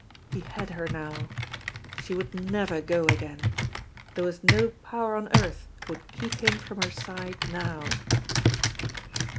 He had her now. She would never go again. There was no power on earth would keep him from her side now!